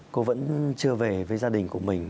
cô vẫn chưa về với gia đình của mình